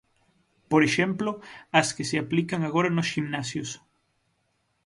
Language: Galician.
Por exemplo, as que se aplican agora nos ximnasios.